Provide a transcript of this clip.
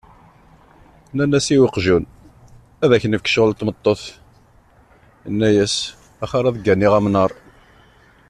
Nnan-as i uqjun, ad ak-nefk ccɣel n tmeṭṭut. Yenna-as, axir ad gganiɣ amnaṛ.